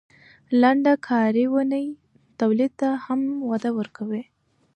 لنډه کاري اونۍ تولید ته هم وده ورکوي.